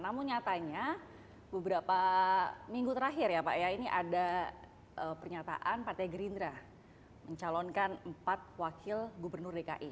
namun nyatanya beberapa minggu terakhir ya pak ya ini ada pernyataan partai gerindra mencalonkan empat wakil gubernur dki